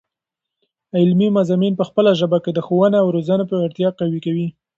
علمي مضامین په خپله ژبه کې، د ښوونې او روزني پیاوړتیا قوي.